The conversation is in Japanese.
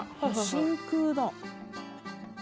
真空だ。